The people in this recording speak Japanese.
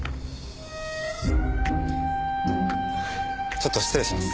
ちょっと失礼します。